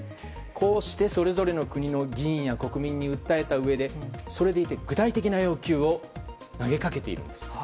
こうして、それぞれの国の議員や国民に訴えたうえでそれでいて具体的な要求を投げかけているんです。